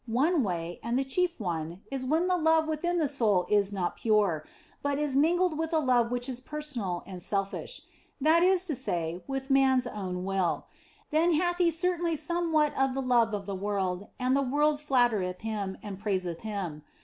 One way, and the chief one, is when the love within the soul is not pure, but is mingled with a love which is personal and selfish that is to say, with man s own will. Then hath he certainly somewhat of the love of the world, and the world flattereth him and praiseth him.